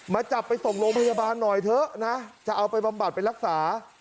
จับไปส่งโรงพยาบาลหน่อยเถอะนะจะเอาไปบำบัดไปรักษา